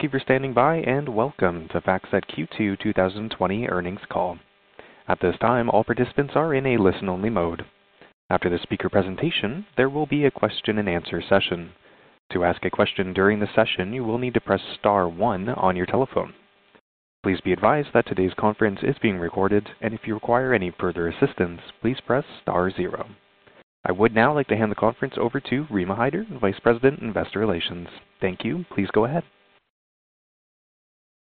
Thank you for standing by, and welcome to FactSet Q2 2020 earnings call. At this time, all participants are in a listen only mode. After the speaker presentation, there will be a question-and-answer session. To ask a question during the session, you will need to press star one on your telephone. Please be advised that today's conference is being recorded, and if you require any further assistance, please press star zero. I would now like to hand the conference over to Rima Hyder, Vice President, Investor Relations. Thank you. Please go ahead.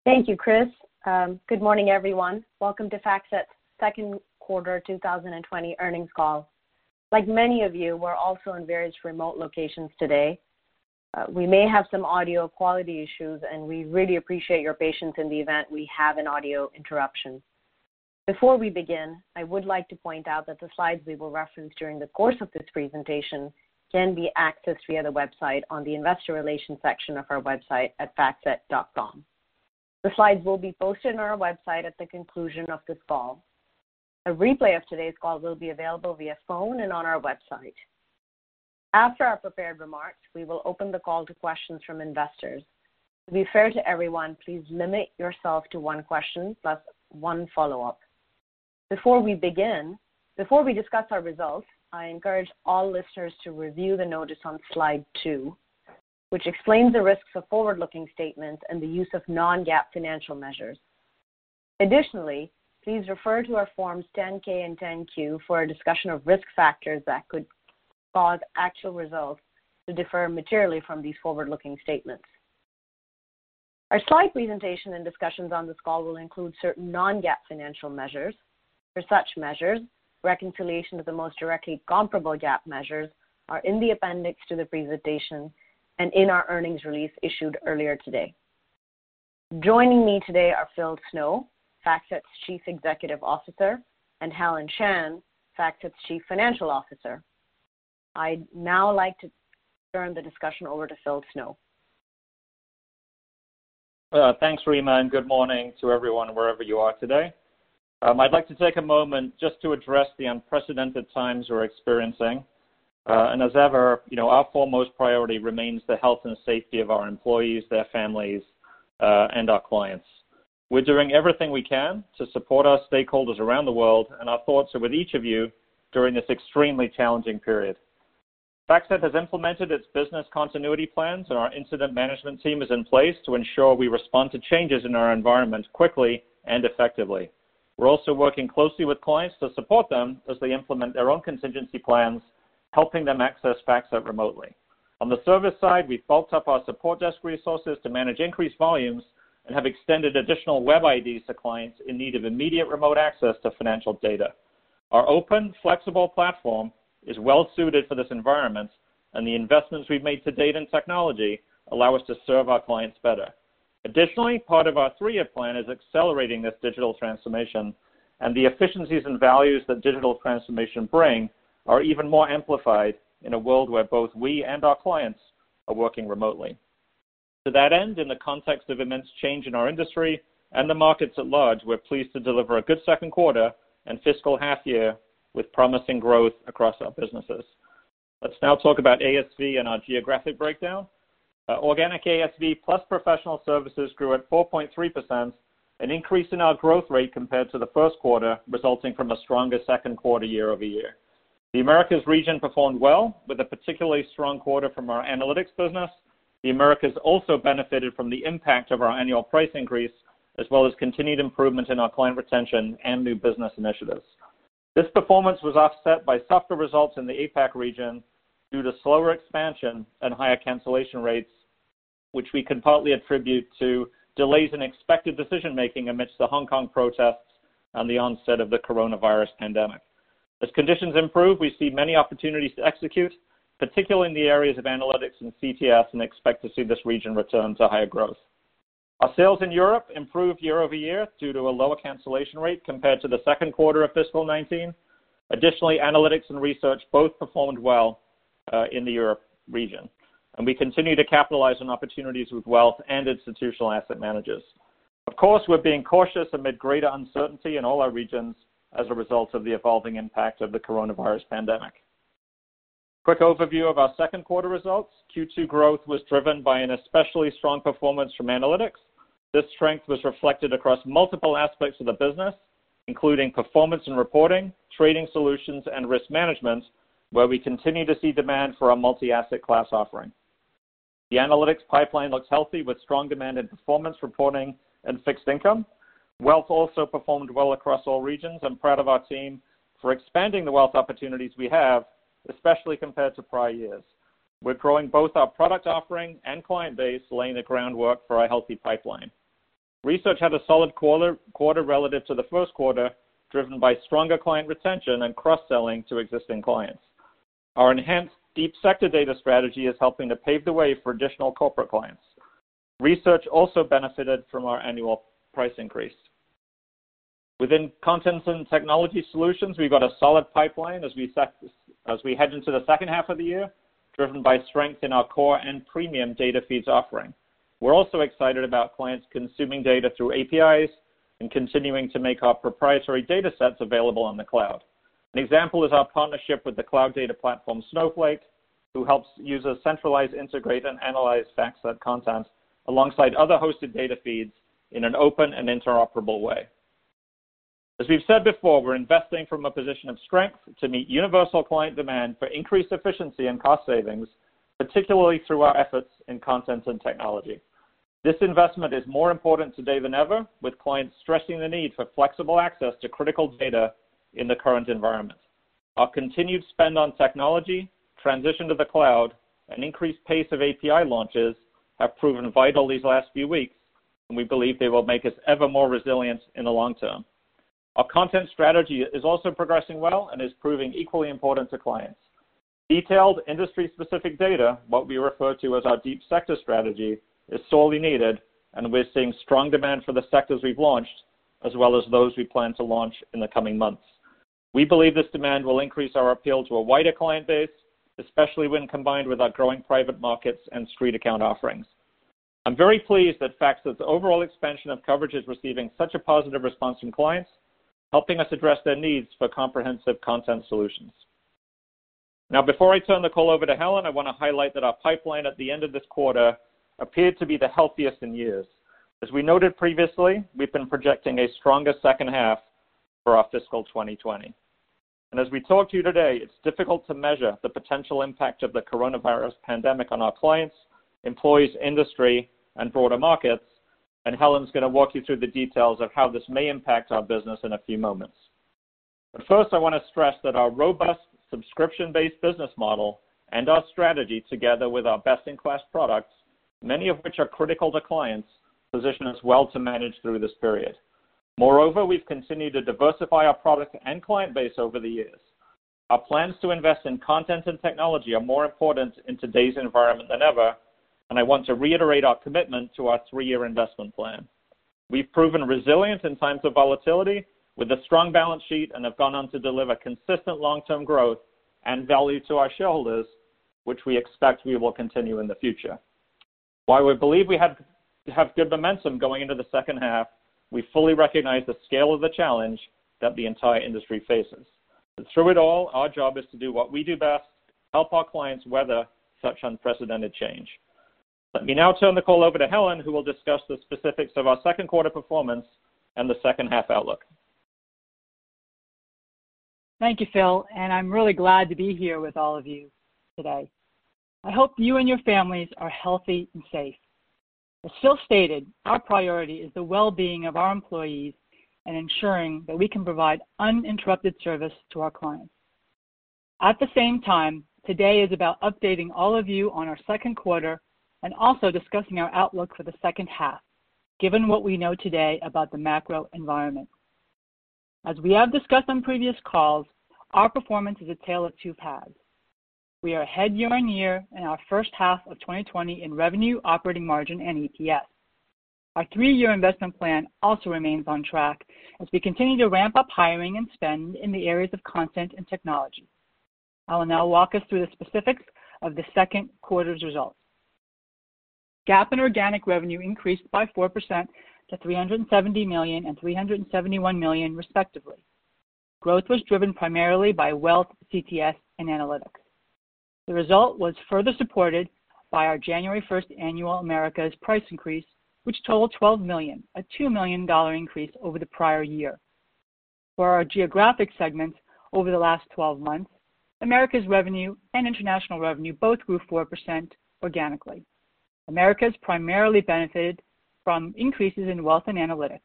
Thank you, Chris. Good morning, everyone. Welcome to FactSet's second quarter 2020 earnings call. Like many of you, we're also in various remote locations today. We may have some audio quality issues, and we really appreciate your patience in the event we have an audio interruption. Before we begin, I would like to point out that the slides we will reference during the course of this presentation can be accessed via the website on the investor relations section of our website at factset.com. The slides will be posted on our website at the conclusion of this call. A replay of today's call will be available via phone and on our website. After our prepared remarks, we will open the call to questions from investors. To be fair to everyone, please limit yourself to one question, plus one follow-up. Before we discuss our results, I encourage all listeners to review the notice on slide two, which explains the risks of forward-looking statements and the use of non-GAAP financial measures. Additionally, please refer to our forms 10-K and 10-Q for a discussion of risk factors that could cause actual results to differ materially from these forward-looking statements. Our slide presentation and discussions on this call will include certain non-GAAP financial measures. For such measures, reconciliation of the most directly comparable GAAP measures are in the appendix to the presentation and in our earnings release issued earlier today. Joining me today are Philip Snow, FactSet's Chief Executive Officer, and Helen Shan, FactSet's Chief Financial Officer. I'd now like to turn the discussion over to Philip Snow. Thanks, Rima. Good morning to everyone, wherever you are today. I'd like to take a moment just to address the unprecedented times we're experiencing. As ever, our foremost priority remains the health and safety of our employees, their families, and our clients. We're doing everything we can to support our stakeholders around the world, and our thoughts are with each of you during this extremely challenging period. FactSet has implemented its business continuity plans, and our incident management team is in place to ensure we respond to changes in our environment quickly and effectively. We're also working closely with clients to support them as they implement their own contingency plans, helping them access FactSet remotely. On the service side, we've bulked up our support desk resources to manage increased volumes and have extended additional web IDs to clients in need of immediate remote access to financial data. Our open, flexible platform is well-suited for this environment, and the investments we've made to date in technology allow us to serve our clients better. Additionally, part of our three-year plan is accelerating this digital transformation, and the efficiencies and values that digital transformation bring are even more amplified in a world where both we and our clients are working remotely. To that end, in the context of immense change in our industry and the markets at large, we're pleased to deliver a good second quarter and fiscal half year with promising growth across our businesses. Let's now talk about ASV and our geographic breakdown. Organic ASV plus professional services grew at 4.3%, an increase in our growth rate compared to the first quarter, resulting from a stronger second quarter year-over-year. The Americas region performed well with a particularly strong quarter from our analytics business. The Americas also benefited from the impact of our annual price increase, as well as continued improvement in our client retention and new business initiatives. This performance was offset by softer results in the APAC region due to slower expansion and higher cancellation rates, which we can partly attribute to delays in expected decision-making amidst the Hong Kong protests and the onset of the coronavirus pandemic. As conditions improve, we see many opportunities to execute, particularly in the areas of analytics and CTS, and expect to see this region return to higher growth. Our sales in Europe improved year-over-year due to a lower cancellation rate compared to the second quarter of fiscal 2019. Additionally, analytics and research both performed well in the Europe region, and we continue to capitalize on opportunities with wealth and institutional asset managers. Of course, we're being cautious amid greater uncertainty in all our regions as a result of the evolving impact of the coronavirus pandemic. Quick overview of our second quarter results. Q2 growth was driven by an especially strong performance from analytics. This strength was reflected across multiple aspects of the business, including performance and reporting, trading solutions, and risk management, where we continue to see demand for our multi-asset class offering. The analytics pipeline looks healthy, with strong demand in performance reporting and fixed income. Wealth also performed well across all regions. I'm proud of our team for expanding the wealth opportunities we have, especially compared to prior years. We're growing both our product offering and client base, laying the groundwork for a healthy pipeline. research had a solid quarter relative to the first quarter, driven by stronger client retention and cross-selling to existing clients. Our enhanced deep sector data strategy is helping to pave the way for additional corporate clients. Research also benefited from our annual price increase. Within Content and Technology Solutions, we've got a solid pipeline as we head into the second half of the year, driven by strength in our core and premium data feeds offering. We're also excited about clients consuming data through APIs and continuing to make our proprietary data sets available on the cloud. An example is our partnership with the cloud data platform Snowflake, who helps users centralize, integrate, and analyze FactSet content alongside other hosted data feeds in an open and interoperable way. As we've said before, we're investing from a position of strength to meet universal client demand for increased efficiency and cost savings, particularly through our efforts in content and technology. This investment is more important today than ever, with clients stressing the need for flexible access to critical data in the current environment. Our continued spend on technology, transition to the cloud, and increased pace of API launches have proven vital these last few weeks, and we believe they will make us ever more resilient in the long term. Our content strategy is also progressing well and is proving equally important to clients. Detailed industry-specific data, what we refer to as our deep sector strategy, is sorely needed, and we're seeing strong demand for the sectors we've launched, as well as those we plan to launch in the coming months. We believe this demand will increase our appeal to a wider client base, especially when combined with our growing private markets and StreetAccount offerings. I'm very pleased that FactSet's overall expansion of coverage is receiving such a positive response from clients, helping us address their needs for comprehensive content solutions. Now, before I turn the call over to Helen, I want to highlight that our pipeline at the end of this quarter appeared to be the healthiest in years. As we noted previously, we've been projecting a stronger second half for our fiscal 2020. As we talk to you today, it's difficult to measure the potential impact of the coronavirus pandemic on our clients, employees, industry, and broader markets, and Helen's going to walk you through the details of how this may impact our business in a few moments. First, I want to stress that our robust subscription-based business model and our strategy, together with our best-in-class products, many of which are critical to clients, position us well to manage through this period. Moreover, we've continued to diversify our product and client base over the years. Our plans to invest in content and technology are more important in today's environment than ever, and I want to reiterate our commitment to our three-year investment plan. We've proven resilience in times of volatility with a strong balance sheet and have gone on to deliver consistent long-term growth and value to our shareholders, which we expect we will continue in the future. While we believe we have good momentum going into the second half, we fully recognize the scale of the challenge that the entire industry faces. Through it all, our job is to do what we do best, help our clients weather such unprecedented change. Let me now turn the call over to Helen, who will discuss the specifics of our second quarter performance and the second half outlook. Thank you, Philip. I'm really glad to be here with all of you today. I hope you and your families are healthy and safe. As Philip stated, our priority is the well-being of our employees and ensuring that we can provide uninterrupted service to our clients. At the same time, today is about updating all of you on our second quarter and also discussing our outlook for the second half, given what we know today about the macro environment. As we have discussed on previous calls, our performance is a tale of two paths. We are ahead year-on-year in our first half of 2020 in revenue, operating margin, and EPS. Our three-year investment plan also remains on track as we continue to ramp up hiring and spend in the areas of content and technology. I will now walk us through the specifics of the second quarter's results. GAAP and organic revenue increased by 4% to $370 million and $371 million, respectively. Growth was driven primarily by wealth, CTS, and analytics. The result was further supported by our January 1st annual Americas price increase, which totaled $12 million, a $2 million increase over the prior year. For our geographic segments over the last 12 months, Americas revenue and international revenue both grew 4% organically. Americas primarily benefited from increases in wealth and analytics.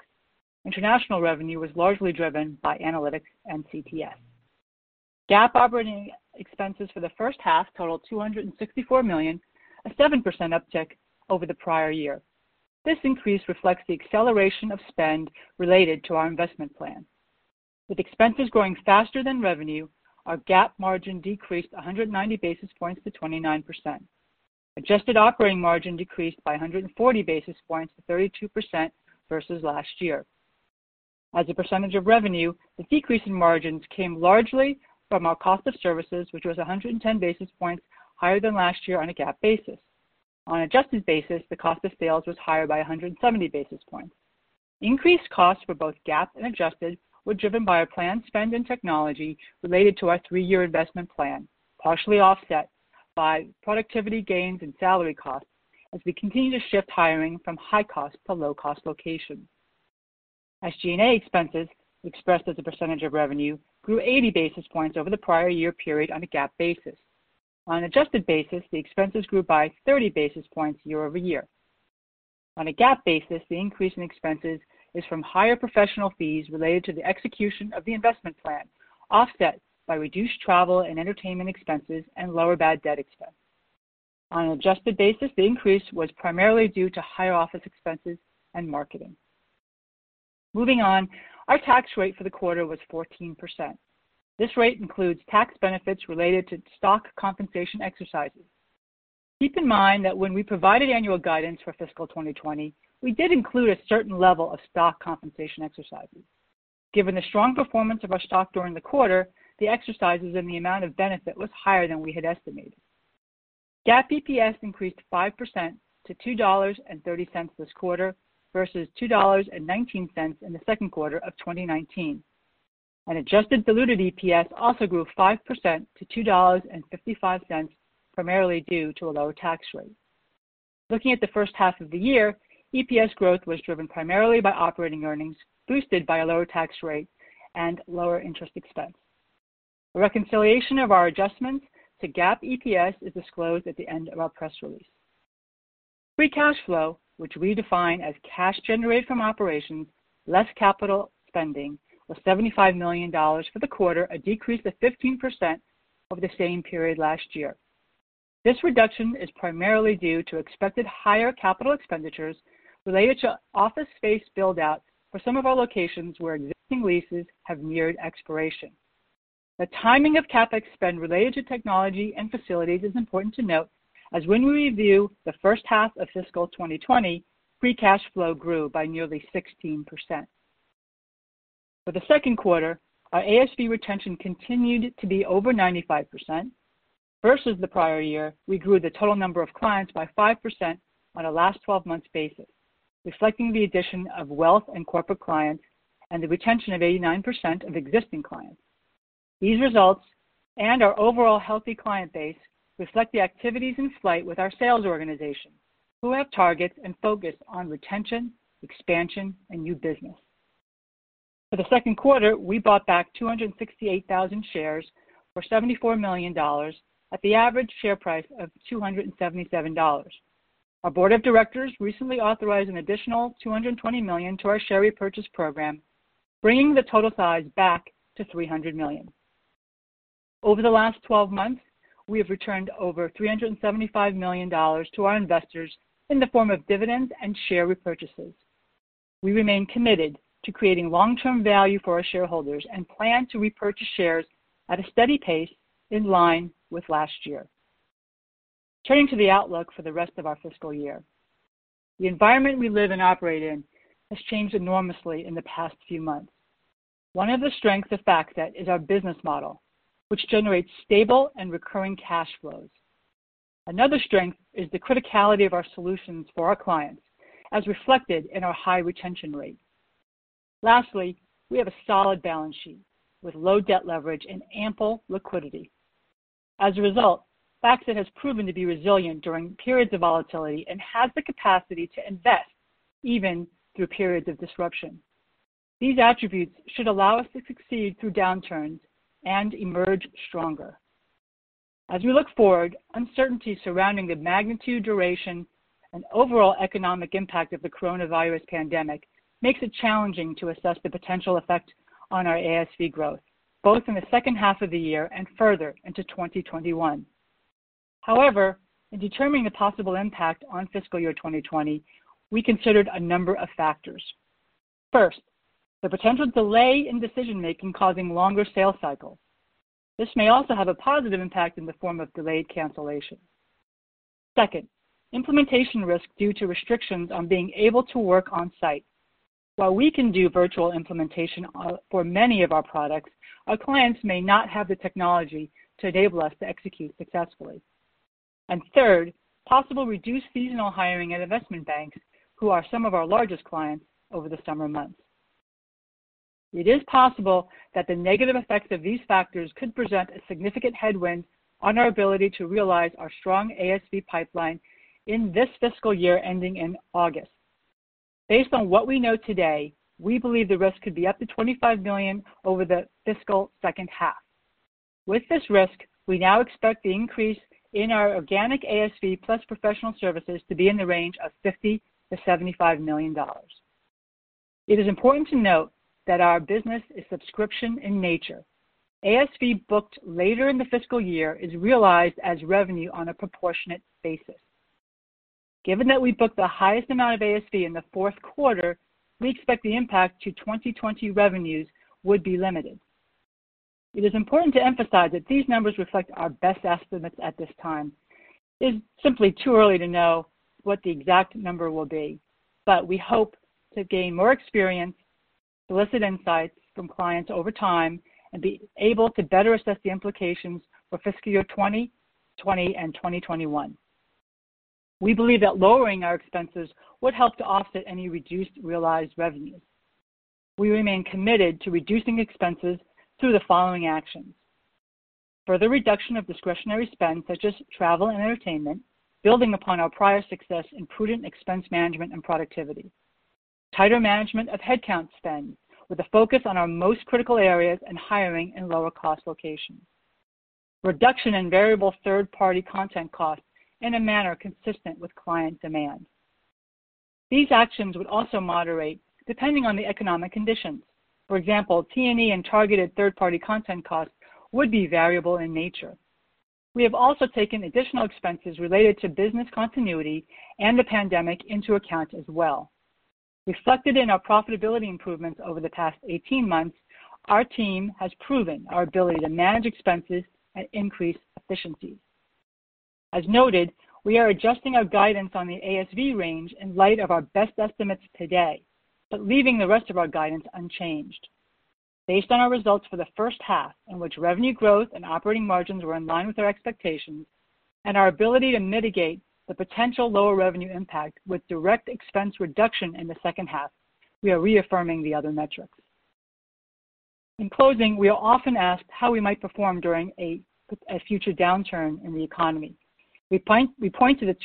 International revenue was largely driven by analytics and CTS. GAAP operating expenses for the first half totaled $264 million, a 7% uptick over the prior year. This increase reflects the acceleration of spend related to our investment plan. With expenses growing faster than revenue, our GAAP margin decreased 190 basis points to 29%. Adjusted operating margin decreased by 140 basis points to 32% versus last year. As a percentage of revenue, the decrease in margins came largely from our cost of services, which was 110 basis points higher than last year on a GAAP basis. On adjusted basis, the cost of sales was higher by 170 basis points. Increased costs for both GAAP and adjusted were driven by our planned spend in technology related to our three-year investment plan, partially offset by productivity gains and salary costs as we continue to shift hiring from high-cost to low-cost locations. SGA expenses, expressed as a percentage of revenue, grew 80 basis points over the prior year period on a GAAP basis. On an adjusted basis, the expenses grew by 30 basis points year-over-year. On a GAAP basis, the increase in expenses is from higher professional fees related to the execution of the investment plan, offset by reduced travel and entertainment expenses and lower bad debt expense. On an adjusted basis, the increase was primarily due to higher office expenses and marketing. Our tax rate for the quarter was 14%. This rate includes tax benefits related to stock compensation exercises. Keep in mind that when we provided annual guidance for fiscal 2020, we did include a certain level of stock compensation exercises. Given the strong performance of our stock during the quarter, the exercises and the amount of benefit was higher than we had estimated. GAAP EPS increased 5% to $2.30 this quarter versus $2.19 in the second quarter of 2019. Adjusted diluted EPS also grew 5% to $2.55, primarily due to a lower tax rate. Looking at the first half of the year, EPS growth was driven primarily by operating earnings, boosted by a lower tax rate and lower interest expense. A reconciliation of our adjustments to GAAP EPS is disclosed at the end of our press release. Free cash flow, which we define as cash generated from operations less capital spending, was $75 million for the quarter, a decrease of 15% over the same period last year. This reduction is primarily due to expected higher capital expenditures related to office space build-out for some of our locations where existing leases have neared expiration. The timing of CapEx spend related to technology and facilities is important to note, as when we review the first half of fiscal 2020, free cash flow grew by nearly 16%. For the second quarter, our ASV retention continued to be over 95%. Versus the prior year, we grew the total number of clients by 5% on a last 12 months basis, reflecting the addition of wealth and corporate clients and the retention of 89% of existing clients. These results, and our overall healthy client base, reflect the activities in flight with our sales organization, who have targets and focus on retention, expansion, and new business. For the second quarter, we bought back 268,000 shares for $74 million at the average share price of $277. Our board of directors recently authorized an additional $220 million to our share repurchase program, bringing the total size back to $300 million. Over the last 12 months, we have returned over $375 million to our investors in the form of dividends and share repurchases. We remain committed to creating long-term value for our shareholders and plan to repurchase shares at a steady pace in line with last year. Turning to the outlook for the rest of our fiscal year. The environment we live and operate in has changed enormously in the past few months. One of the strengths of FactSet is our business model, which generates stable and recurring cash flows. Another strength is the criticality of our solutions for our clients, as reflected in our high retention rate. Lastly, we have a solid balance sheet with low debt leverage and ample liquidity. As a result, FactSet has proven to be resilient during periods of volatility and has the capacity to invest even through periods of disruption. These attributes should allow us to succeed through downturns and emerge stronger. As we look forward, uncertainty surrounding the magnitude, duration, and overall economic impact of the coronavirus pandemic makes it challenging to assess the potential effect on our ASV growth, both in the second half of the year and further into 2021. However, in determining the possible impact on fiscal year 2020, we considered a number of factors. First, the potential delay in decision-making causing longer sales cycles. This may also have a positive impact in the form of delayed cancellations. Second, implementation risk due to restrictions on being able to work on-site. While we can do virtual implementation for many of our products, our clients may not have the technology to enable us to execute successfully. Third, possible reduced seasonal hiring at investment banks who are some of our largest clients over the summer months. It is possible that the negative effects of these factors could present a significant headwind on our ability to realize our strong ASV pipeline in this fiscal year ending in August. Based on what we know today, we believe the risk could be up to $25 million over the fiscal second half. With this risk, we now expect the increase in our organic ASV plus professional services to be in the range of $50 million-$75 million. It is important to note that our business is subscription in nature. ASV booked later in the fiscal year is realized as revenue on a proportionate basis. Given that we book the highest amount of ASV in the fourth quarter, we expect the impact to 2020 revenues would be limited. It is important to emphasize that these numbers reflect our best estimates at this time. It is simply too early to know what the exact number will be, but we hope to gain more experience, solicit insights from clients over time, and be able to better assess the implications for fiscal year 2020 and 2021. We believe that lowering our expenses would help to offset any reduced realized revenues. We remain committed to reducing expenses through the following actions. Further reduction of discretionary spend, such as travel and entertainment, building upon our prior success in prudent expense management and productivity. Tighter management of headcount spend with a focus on our most critical areas and hiring in lower-cost locations. Reduction in variable third-party content costs in a manner consistent with client demand. These actions would also moderate depending on the economic conditions. For example, T&E and targeted third-party content costs would be variable in nature. We have also taken additional expenses related to business continuity and the pandemic into account as well. Reflected in our profitability improvements over the past 18 months, our team has proven our ability to manage expenses and increase efficiencies. As noted, we are adjusting our guidance on the ASV range in light of our best estimates today, but leaving the rest of our guidance unchanged. Based on our results for the first half, in which revenue growth and operating margins were in line with our expectations, and our ability to mitigate the potential lower revenue impact with direct expense reduction in the second half, we are reaffirming the other metrics. In closing, we are often asked how we might perform during a future downturn in the economy. We point to the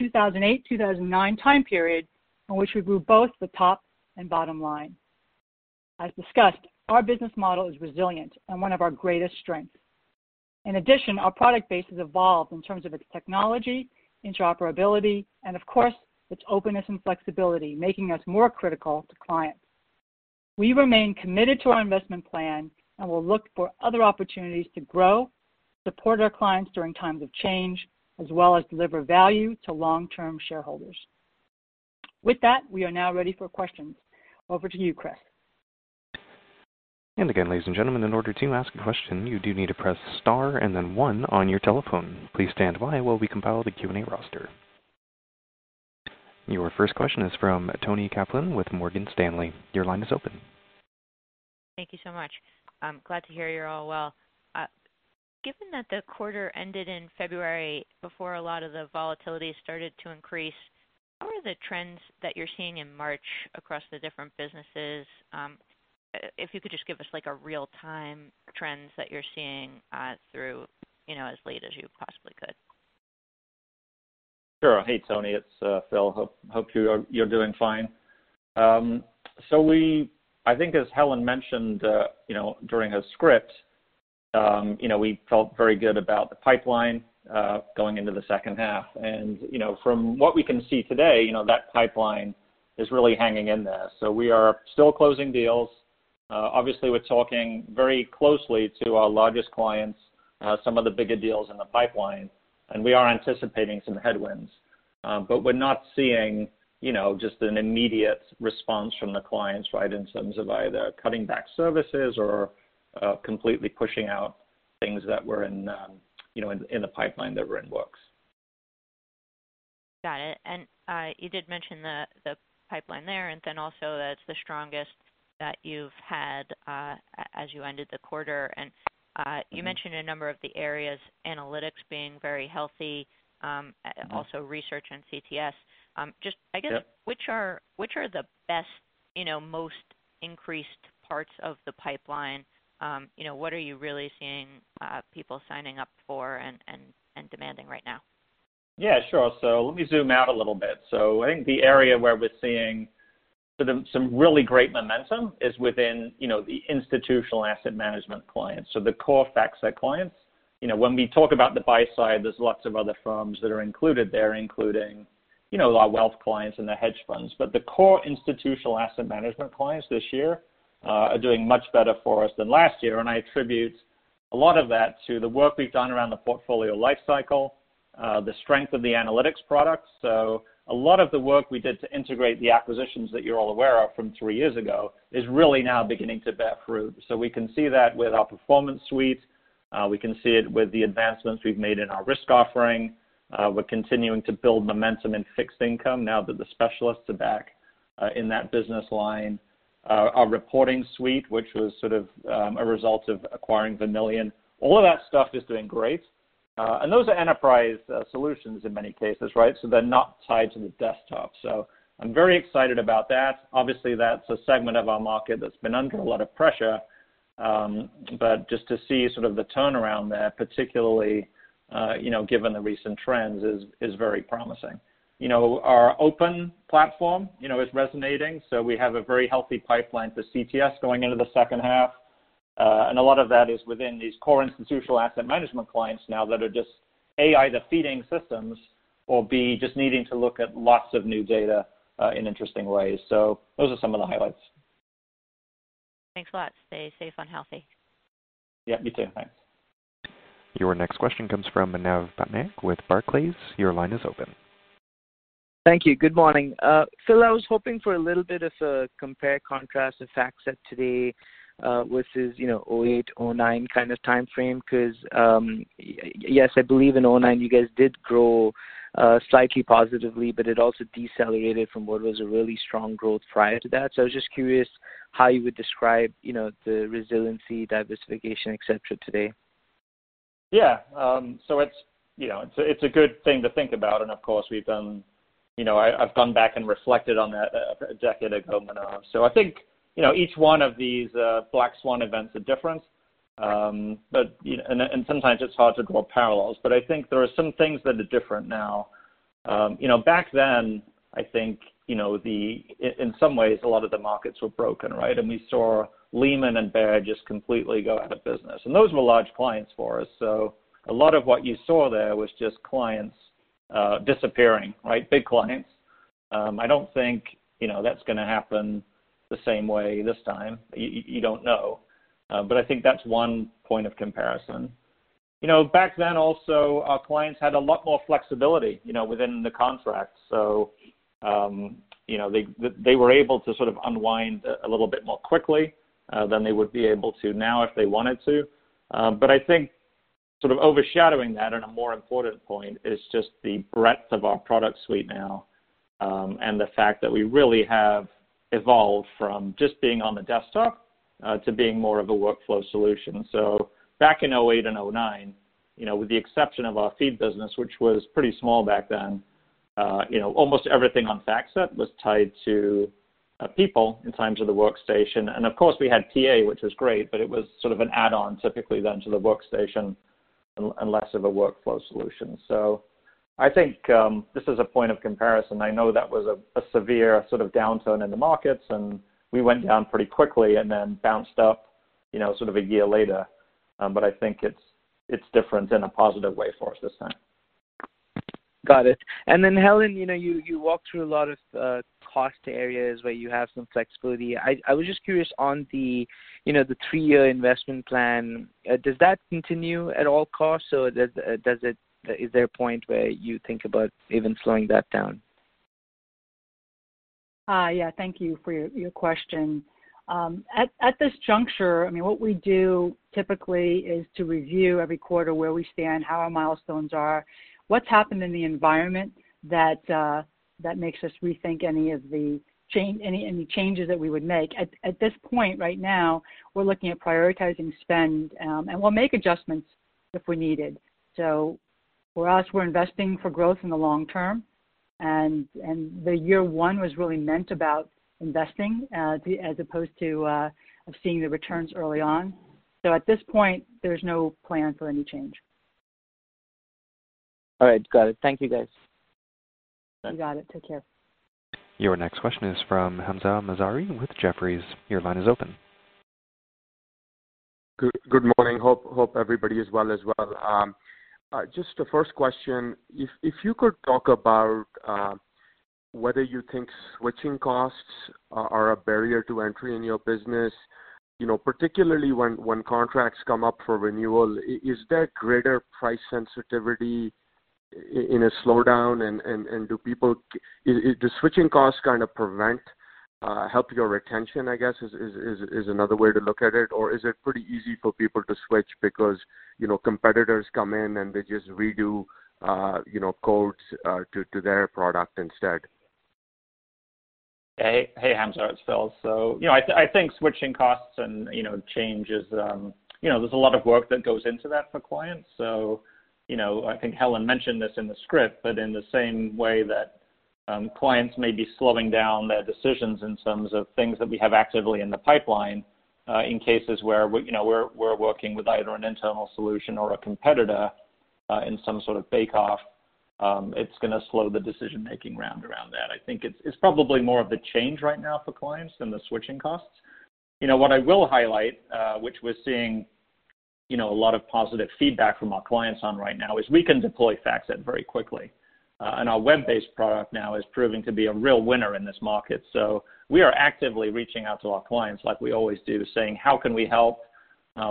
2008-2009 time period, in which we grew both the top and bottom line. As discussed, our business model is resilient and one of our greatest strengths. In addition, our product base has evolved in terms of its technology, interoperability, and of course, its openness and flexibility, making us more critical to clients. We remain committed to our investment plan and will look for other opportunities to grow, support our clients during times of change, as well as deliver value to long-term shareholders. With that, we are now ready for questions. Over to you, Chris. Again, ladies and gentlemen, in order to ask a question, you do need to press star and then one on your telephone. Please stand by while we compile the Q and A roster. Your first question is from Toni Kaplan with Morgan Stanley. Your line is open. Thank you so much. I'm glad to hear you're all well. Given that the quarter ended in February before a lot of the volatility started to increase, how are the trends that you're seeing in March across the different businesses? If you could just give us real-time trends that you're seeing through as late as you possibly could. Sure. Hey, Toni. It's Phil. Hope you're doing fine. I think as Helen mentioned during her script, we felt very good about the pipeline going into the second half. From what we can see today, that pipeline is really hanging in there. We are still closing deals. Obviously, we're talking very closely to our largest clients, some of the bigger deals in the pipeline, and we are anticipating some headwinds. We're not seeing just an immediate response from the clients in terms of either cutting back services or completely pushing out things that were in the pipeline that were in the books. Got it. You did mention the pipeline there, and then also that it's the strongest that you've had as you ended the quarter. You mentioned a number of the areas, analytics being very healthy, also research and CTS. Yep. I guess, which are the best, most increased parts of the pipeline? What are you really seeing people signing up for and demanding right now? Yeah, sure. Let me zoom out a little bit. I think the area where we're seeing some really great momentum is within the institutional asset management clients, the core FactSet clients. When we talk about the buy side, there's lots of other firms that are included there, including our wealth clients and the hedge funds. The core institutional asset management clients this year are doing much better for us than last year, and I attribute a lot of that to the work we've done around the portfolio life cycle, the strength of the analytics products. A lot of the work we did to integrate the acquisitions that you're all aware of from three years ago is really now beginning to bear fruit. We can see that with our performance suite. We can see it with the advancements we've made in our risk offering. We're continuing to build momentum in fixed income now that the specialists are back in that business line. Our reporting suite, which was sort of a result of acquiring Vermilion. All of that stuff is doing great. Those are enterprise solutions in many cases. They're not tied to the desktop. I'm very excited about that. Obviously, that's a segment of our market that's been under a lot of pressure. Just to see sort of the turnaround there, particularly given the recent trends, is very promising. Our open platform is resonating, so we have a very healthy pipeline for CTS going into the second half. A lot of that is within these core institutional asset management clients now that are just, A, either feeding systems or, B, just needing to look at lots of new data in interesting ways. Those are some of the highlights. Thanks a lot. Stay safe and healthy. Yeah, you too. Thanks. Your next question comes from Manav Patnaik with Barclays. Your line is open. Thank you. Good morning. Phil, I was hoping for a little bit of a compare and contrast of FactSet today versus 2008, 2009 kind of timeframe, because yes, I believe in 2009, you guys did grow slightly positively, but it also decelerated from what was a really strong growth prior to that. I was just curious how you would describe the resiliency, diversification, et cetera today? Yeah. It's a good thing to think about, and of course, I've gone back and reflected on that a decade ago, Manav. I think each one of these black swan events are different. Sometimes it's hard to draw parallels. I think there are some things that are different now. Back then, I think, in some ways, a lot of the markets were broken. We saw Lehman and Bear just completely go out of business. Those were large clients for us. A lot of what you saw there was just clients disappearing. Big clients. I don't think that's going to happen the same way this time. You don't know. I think that's one point of comparison. Back then also, our clients had a lot more flexibility within the contract. They were able to sort of unwind a little bit more quickly than they would be able to now if they wanted to. I think. Sort of overshadowing that and a more important point is just the breadth of our product suite now, and the fact that we really have evolved from just being on the desktop to being more of a workflow solution. Back in 2008 and 2009, with the exception of our feed business, which was pretty small back then, almost everything on FactSet was tied to people in terms of the workstation. Of course, we had PA, which was great, but it was sort of an add-on typically then to the workstation and less of a workflow solution. I think this is a point of comparison. I know that was a severe sort of downturn in the markets, and we went down pretty quickly and then bounced up sort of a year later. I think it's different in a positive way for us this time. Got it. Helen, you walked through a lot of cost areas where you have some flexibility. I was just curious on the three-year investment plan, does that continue at all costs, or is there a point where you think about even slowing that down? Yeah. Thank you for your question.At this juncture, I mean, what we do typically is to review every quarter where we stand, how our milestones are, what's happened in the environment that makes us rethink any changes that we would make. At this point, right now, we're looking at prioritizing spend, and we'll make adjustments if we need it. For us, we're investing for growth in the long term, and the year one was really meant about investing, as opposed to seeing the returns early on. At this point, there's no plan for any change. All right. Got it. Thank you, guys. You got it. Take care. Your next question is from Hamzah Mazari with Jefferies. Your line is open. Good morning. Hope everybody is well as well. The first question, if you could talk about whether you think switching costs are a barrier to entry in your business. Particularly when contracts come up for renewal, is there greater price sensitivity in a slowdown, and do switching costs kind of help your retention, I guess, is another way to look at it, or is it pretty easy for people to switch because competitors come in, and they just redo codes to their product instead? Hey, Hamzah, it's Phil. I think switching costs and changes, there's a lot of work that goes into that for clients. I think Helen mentioned this in the script, but in the same way that clients may be slowing down their decisions in terms of things that we have actively in the pipeline, in cases where we're working with either an internal solution or a competitor in some sort of bake-off, it's going to slow the decision-making round around that. I think it's probably more of the change right now for clients than the switching costs. What I will highlight, which we're seeing a lot of positive feedback from our clients on right now, is we can deploy FactSet very quickly. Our web-based product now is proving to be a real winner in this market. We are actively reaching out to our clients, like we always do, saying, "How can we help?"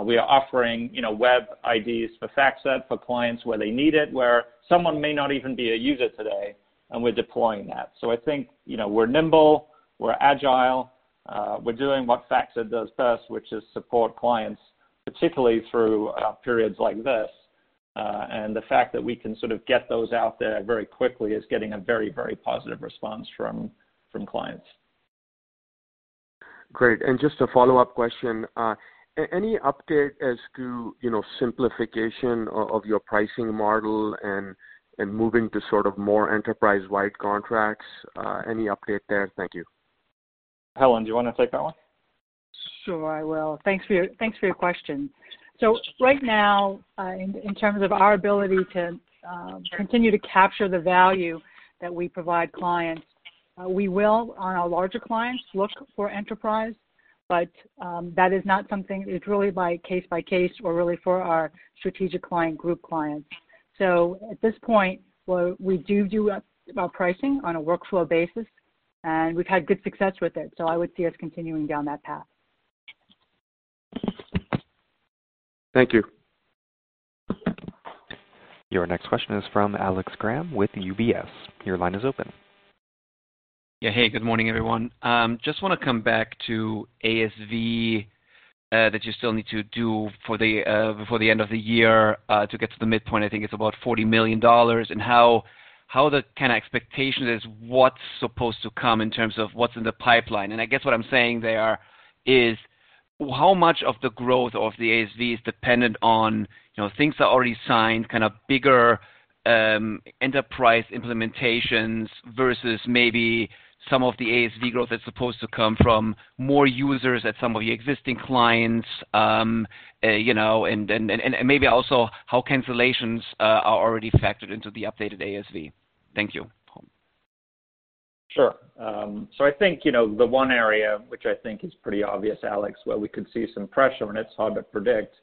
We are offering web IDs for FactSet for clients where they need it, where someone may not even be a user today, and we're deploying that. I think, we're nimble, we're agile. We're doing what FactSet does best, which is support clients, particularly through periods like this. The fact that we can sort of get those out there very quickly is getting a very, very positive response from clients. Great. Just a follow-up question. Any update as to simplification of your pricing model and moving to sort of more enterprise-wide contracts? Any update there? Thank you. Helen, do you want to take that one? Sure, I will. Thanks for your question. Right now, in terms of our ability to continue to capture the value that we provide clients, we will, on our larger clients, look for enterprise, but that is not something. It's really case by case or really for our strategic client group clients. At this point, we do our pricing on a workflow basis, and we've had good success with it, so I would see us continuing down that path. Thank you. Your next question is from Alex Kramm with UBS. Your line is open. Hey, good morning, everyone. Just want to come back to ASV that you still need to do before the end of the year to get to the midpoint, I think it's about $40 million, how the kind of expectation is what's supposed to come in terms of what's in the pipeline. I guess what I'm saying there is how much of the growth of the ASV is dependent on things that are already signed, kind of bigger enterprise implementations versus maybe some of the ASV growth that's supposed to come from more users at some of your existing clients, maybe also how cancellations are already factored into the updated ASV. Thank you. Sure. I think the one area which I think is pretty obvious, Alex, where we could see some pressure, and it's hard to predict,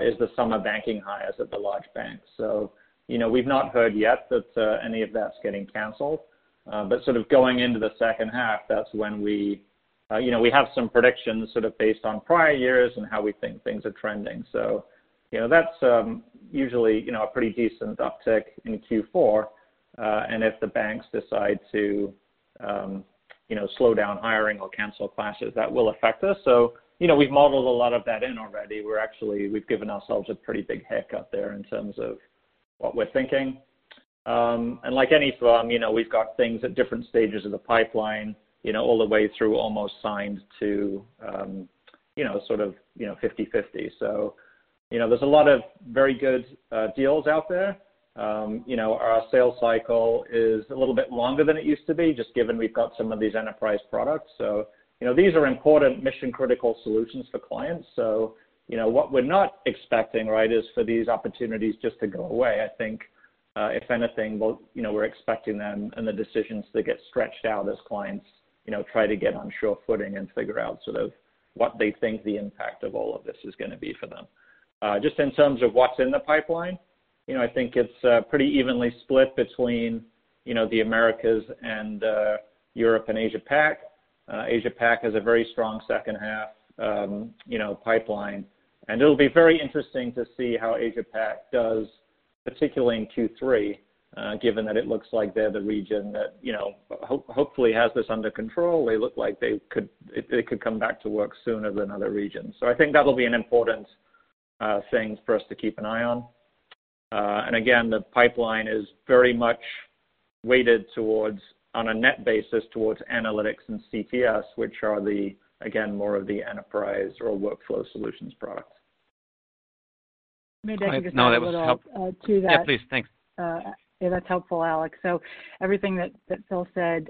is the summer banking hires at the large banks. We've not heard yet, that any of that is getting cancel. Going into the second half, that's when we have some predictions based on prior years and how we think things are trending. That's usually a pretty decent uptick in Q4. If the banks decide to slow down hiring or cancel classes, that will affect us. We've modeled a lot of that in already. We've given ourselves a pretty big hiccup there in terms of what we're thinking. Like any firm, we've got things at different stages of the pipeline, all the way through almost signed to 50/50. There's a lot of very good deals out there. Our sales cycle is a little bit longer than it used to be, just given we've got some of these enterprise products. These are important mission-critical solutions for clients. What we're not expecting, right, is for these opportunities just to go away. I think, if anything, we're expecting them and the decisions to get stretched out as clients try to get on sure footing and figure out sort of what they think the impact of all of this is going to be for them. Just in terms of what's in the pipeline, I think it's pretty evenly split between the Americas and Europe, and Asia-Pac. Asia-Pac has a very strong second half pipeline. It'll be very interesting to see how Asia-Pac does, particularly in Q3, given that it looks like they're the region that hopefully has this under control. They look like they could come back to work sooner than other regions. I think that'll be an important thing for us to keep an eye on. Again, the pipeline is very much weighted, on a net basis, towards analytics and CTS, which are, again, more of the enterprise or workflow solutions products. Maybe I can just add a little to that. Yeah, please. Thanks. Yeah, that's helpful, Alex. Everything that Phil said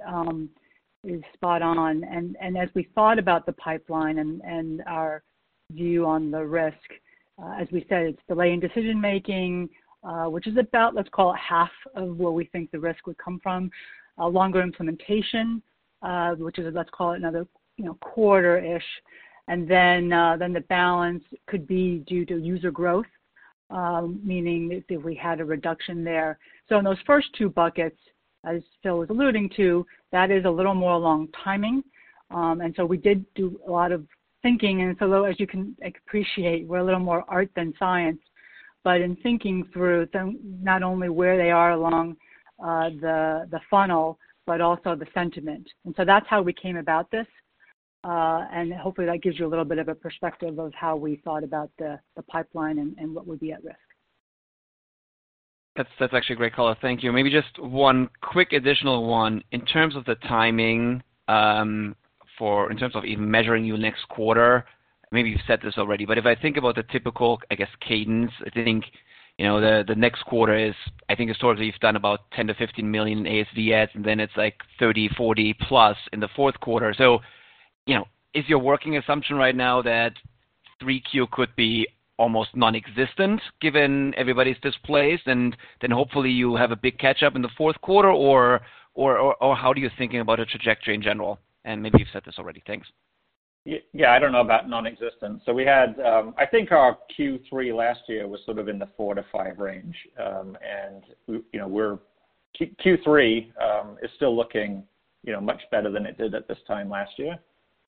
is spot on. As we thought about the pipeline and our view on the risk, as we said, it's delay in decision-making, which is about, let's call it half of where we think the risk would come from. A longer implementation, which is, let's call it another quarter-ish. The balance could be due to user growth, meaning if we had a reduction there. In those first two buckets, as Phil was alluding to, that is a little more along timing. We did do a lot of thinking, and so as you can appreciate, we're a little more art than science. In thinking through not only where they are along the funnel, but also the sentiment. That's how we came about this. Hopefully that gives you a little bit of a perspective of how we thought about the pipeline and what would be at risk. That's actually a great color. Thank you. Maybe just one quick additional one. In terms of the timing, in terms of even measuring your next quarter, maybe you've said this already, but if I think about the typical, I guess, cadence, I think the next quarter is, I think historically you've done about $10 million-$15 million ASV, and then it's like $30 million, $40 million+ in the fourth quarter. Is your working assumption right now that Q3 could be almost nonexistent given everybody's displaced, and then hopefully you have a big catch-up in the fourth quarter? How do you thinking about a trajectory in general? Maybe you've said this already. Thanks. Yeah. I don't know about nonexistent. I think our Q3 last year was sort of in the 4-5 range. Q3 is still looking much better than it did at this time last year.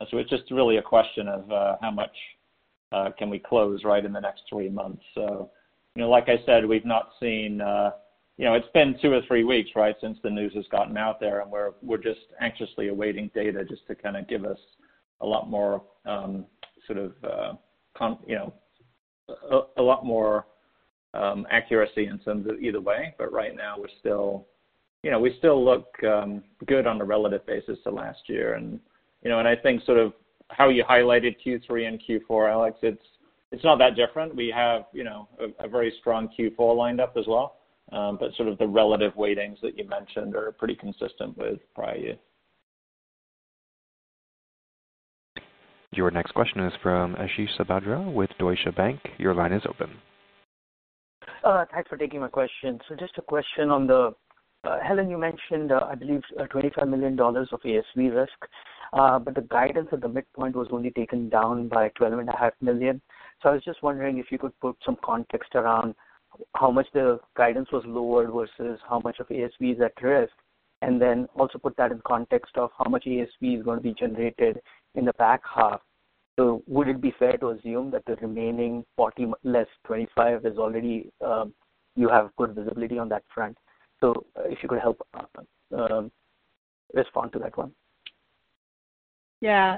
It's just really a question of how much can we close, right, in the next three months. Like I said, it's been two or three weeks, right, since the news has gotten out there, and we're just anxiously awaiting data just to kind of give us a lot more accuracy in terms of either way. Right now we still look good on a relative basis to last year. I think sort of how you highlighted Q3 and Q4, Alex, it's not that different. We have a very strong Q4 lined up as well. Sort of the relative weightings that you mentioned are pretty consistent with prior years. Your next question is from Ashish Sabadra with Deutsche Bank. Your line is open. Thanks for taking my question. Just a question on Helen, you mentioned, I believe, $25 million of ASV risk. The guidance at the midpoint was only taken down by $12.5 million. I was just wondering if you could put some context around how much the guidance was lowered versus how much of ASV is at risk, and then also put that in context of how much ASV is going to be generated in the back half. Would it be fair to assume that the remaining 40 less 25, you have good visibility on that front? If you could help respond to that one. Yeah.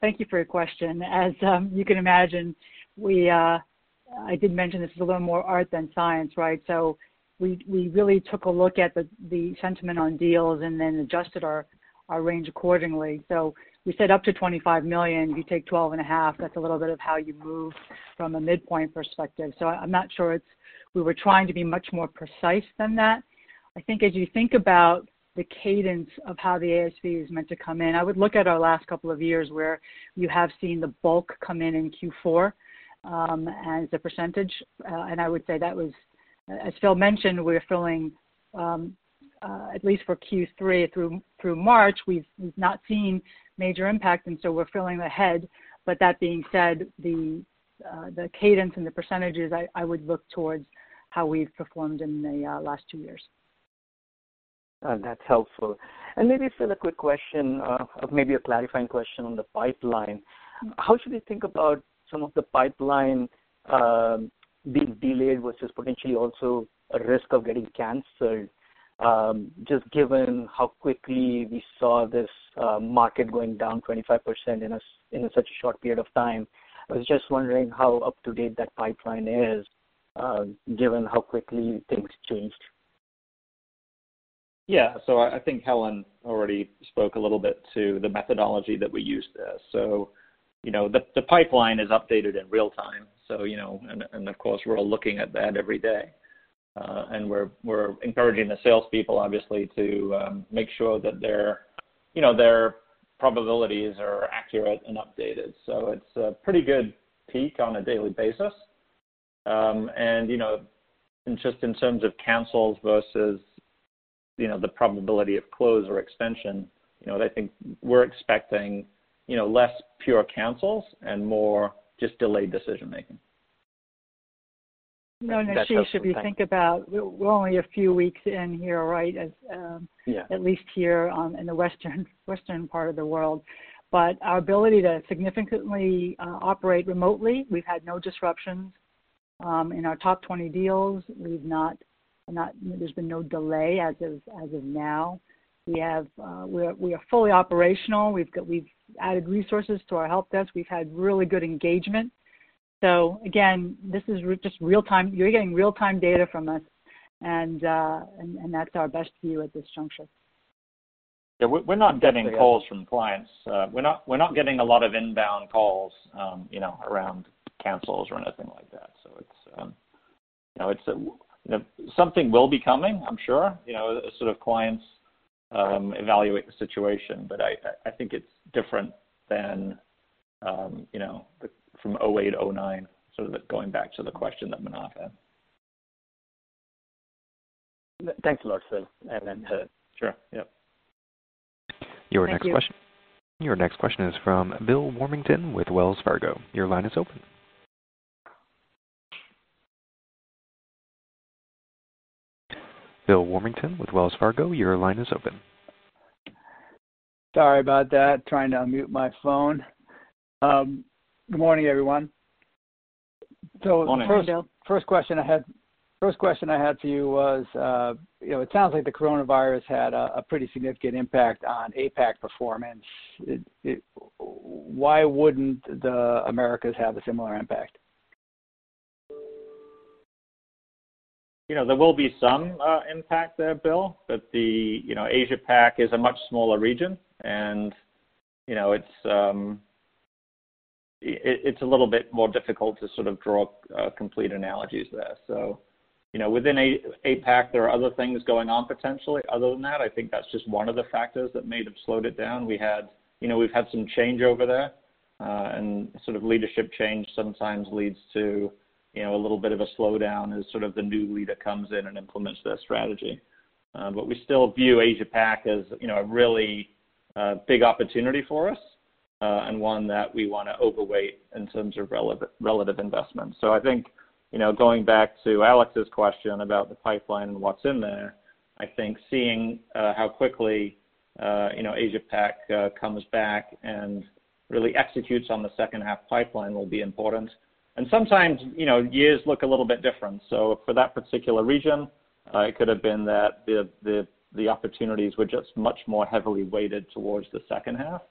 Thank you for your question. As you can imagine, I did mention this is a little more art than science, right? We really took a look at the sentiment on deals and then adjusted our range accordingly. We said up to $25 million. If you take $12.5, that's a little bit of how you move from a midpoint perspective. I'm not sure we were trying to be much more precise than that. I think as you think about the cadence of how the ASV is meant to come in, I would look at our last couple of years where you have seen the bulk come in in Q4, as a percentage. I would say that was, as Phil mentioned, we're filling, at least for Q3 through March, we've not seen major impact, so we're filling ahead. That being said, the cadence and the percentages, I would look towards how we've performed in the last two years. That's helpful. Maybe, Phil, a quick question, or maybe a clarifying question on the pipeline. How should we think about some of the pipeline being delayed versus potentially also a risk of getting canceled? Just given how quickly we saw this market going down 25% in such a short period of time, I was just wondering how up-to-date that pipeline is given how quickly things changed. Yeah. I think Helen already spoke a little bit to the methodology that we use there. The pipeline is updated in real time. Of course, we're all looking at that every day. We're encouraging the salespeople, obviously, to make sure that their probabilities are accurate and updated. It's a pretty good peek on a daily basis. Just in terms of cancels versus the probability of close or extension, I think we're expecting less pure cancels and more just delayed decision-making. No, Ashish, if you think about we're only a few weeks in here, right? Yeah. At least here in the western part of the world. Our ability to significantly operate remotely, we've had no disruptions. In our top 20 deals, there's been no delay as of now. We are fully operational. We've added resources to our help desk. We've had really good engagement. Again, you're getting real-time data from us, and that's our best view at this juncture. Yeah, we're not getting calls from clients. We're not getting a lot of inbound calls around cancels or anything like that. Something will be coming, I'm sure, as sort of clients evaluate the situation. I think it's different from 2008, 2009, sort of going back to the question that Manav had. Thanks a lot, Phil and Helen. Sure. Yep. Thank you. Your next question is from Bill Warmington with Wells Fargo. Your line is open. Bill Warmington with Wells Fargo, your line is open. Sorry about that. Trying to unmute my phone. Good morning, everyone. Morning. Good morning, Bill. First question I had for you was, it sounds like the coronavirus had a pretty significant impact on APAC performance. Why wouldn't the Americas have a similar impact? There will be some impact there, Bill, but the Asia-Pac is a much smaller region, and it's a little bit more difficult to sort of draw complete analogies there. Within APAC, there are other things going on potentially other than that. I think that's just one of the factors that may have slowed it down. We've had some changeover there, and sort of leadership change sometimes leads to a little bit of a slowdown as sort of the new leader comes in and implements their strategy. We still view Asia-Pac as a really big opportunity for us, and one that we want to overweight in terms of relative investment. I think going back to Alex's question about the pipeline and what's in there, I think seeing how quickly Asia-Pac comes back and really executes on the second half pipeline will be important. Sometimes years look a little bit different. For that particular region, it could have been that the opportunities were just much more heavily weighted towards the second half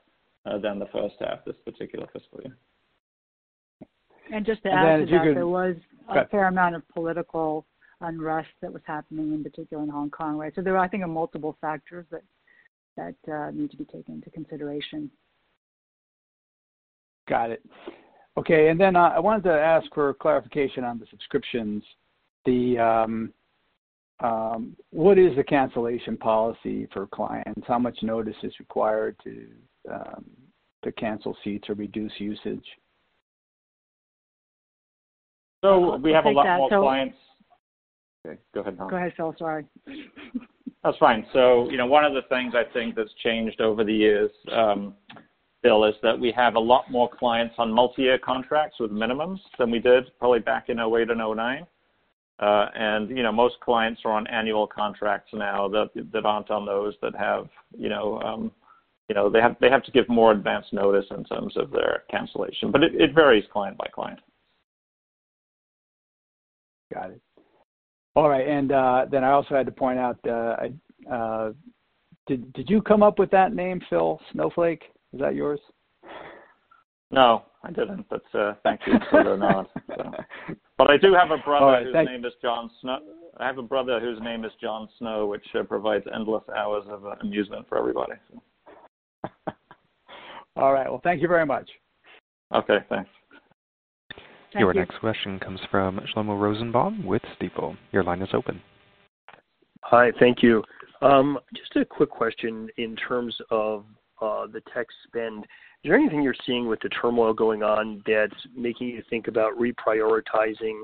than the first half this particular fiscal year. Just to add to that. And then if you could-- There was a fair amount of political unrest that was happening, in particular in Hong Kong, right? There are, I think, multiple factors that need to be taken into consideration. Got it. Okay, I wanted to ask for clarification on the subscriptions. What is the cancellation policy for clients? How much notice is required to cancel seats or reduce usage? We have a lot more clients. I'll take that. Okay, go ahead, Helen. Go ahead, Phil, sorry. That's fine. One of the things I think that's changed over the years, Bill, is that we have a lot more clients on multi-year contracts with minimums than we did probably back in 2008 to 2009. Most clients are on annual contracts now that aren't on those. They have to give more advanced notice in terms of their cancellation. It varies client by client. Got it. All right, I also had to point out, did you come up with that name, Phil? Snowflake? Is that yours? No, I didn't, but thank you for the nod. All right, thank you. I do have a brother whose name is John Snow, which provides endless hours of amusement for everybody. All right. Well, thank you very much. Okay, thanks. Thank you. Your next question comes from Shlomo Rosenbaum with Stifel. Your line is open. Hi. Thank you. Just a quick question in terms of the tech spend. Is there anything you're seeing with the turmoil going on that's making you think about reprioritizing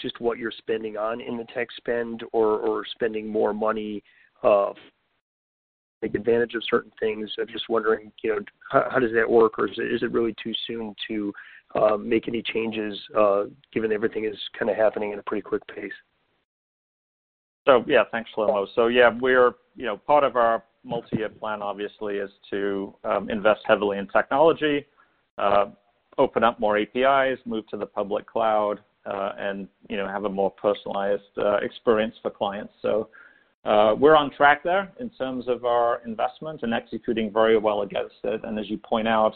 just what you're spending on in the tech spend or spending more money, take advantage of certain things? I'm just wondering, how does that work, or is it really too soon to make any changes, given everything is kind of happening at a pretty quick pace? Yeah, thanks, Shlomo. Yeah, part of our multi-year plan, obviously, is to invest heavily in technology. Open up more APIs, move to the public cloud, and have a more personalized experience for clients. We're on track there in terms of our investment and executing very well against it. As you point out,